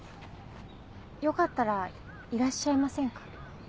よかったらいらっしゃいませんか？